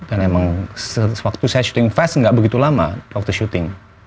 dan emang waktu saya shooting fast gak begitu lama waktu shooting